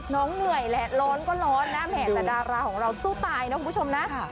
เหนื่อยแหละร้อนก็ร้อนนะแห่แต่ดาราของเราสู้ตายนะคุณผู้ชมนะ